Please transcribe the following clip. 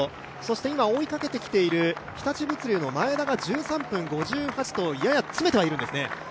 今、追いかけてきている日立物流の前田が１３分５８とやや詰めてはいるんですね。